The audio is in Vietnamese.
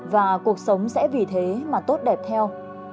và cuộc sống sẽ vì thế mà tốt đẹp theo